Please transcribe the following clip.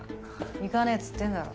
行かねぇっつってんだろ。